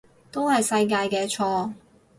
都係世界嘅錯